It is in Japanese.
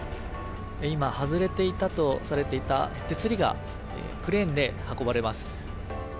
今、外れていたとされていた手すりがクレーンで運ばれます。